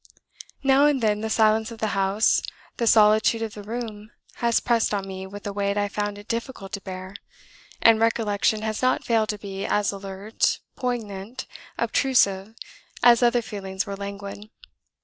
Now and then, the silence of the house, the solitude of the room, has pressed on me with a weight I found it difficult to bear, and recollection has not failed to be as alert, poignant, obtrusive, as other feelings were languid.